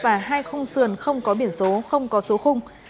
và hai khung sườn không có biển số không có số khung